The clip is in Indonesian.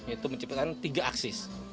itu menciptakan tiga aksis